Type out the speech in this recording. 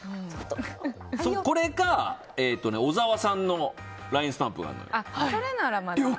これか、小沢さんのＬＩＮＥスタンプがあるのよ。